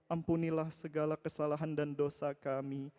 ampunilah segala kesalahan dan dosa kami